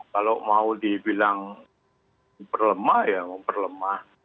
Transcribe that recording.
kalau mau dibilang memperlemah ya memperlemah